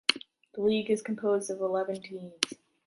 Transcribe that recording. The league is composed of eleven teams.